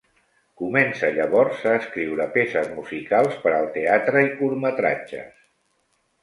Comença llavors a escriure peces musicals per al teatre i curtmetratges.